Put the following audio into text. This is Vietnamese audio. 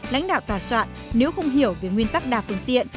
lãnh đạo tòa soạn nếu không hiểu về nguyên tắc đa phương tiện